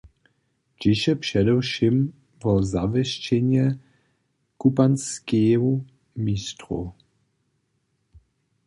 Dźěše předewšěm wo zawěsćenje kupanskeju mištrow.